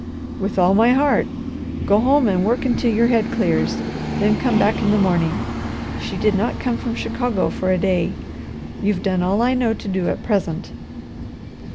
"With all my heart! Go home and work until your head clears, then come back in the morning. She did not come from Chicago for a day. You've done all I know to do at present."